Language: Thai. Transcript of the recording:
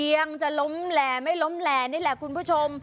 ยังจะล้มแหล่ไม่ล้มแหล่นี่แหละคุณผู้ชม